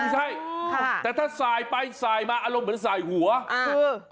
ไม่ใช่แต่ถ้าสายไปสายมาอารมณ์เหมือนแสนตัวสายหัว